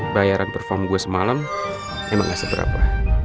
bayaran perform gue semalam emang gak seberapa